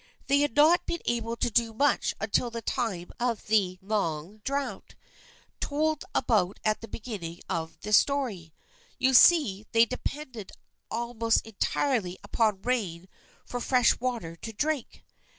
They had not been able to do much until the time of the long drought, told about at the beginning of this story. You see, they depended almost entirely upon rain for fresh water to drink.